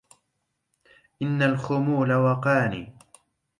إن الخمول وقاني